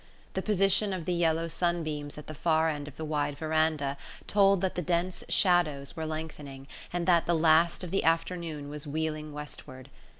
The position of the yellow sunbeams at the far end of the wide veranda told that the dense shadows were lengthening, and that the last of the afternoon was wheeling westward.